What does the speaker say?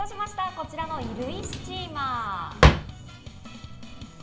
こちらの衣類スチーマー。